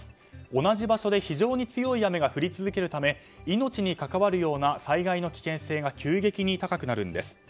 同じ場所で非常に強い雨が降り続けるため命に関わるような災害の危険性が急激に高くなるんです。